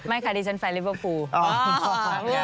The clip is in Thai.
ค่ะดิฉันแฟลิเวอร์ฟูล